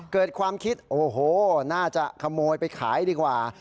เกิดความคิดโอ้โหน่าจะขโมยไปขายดีกว่า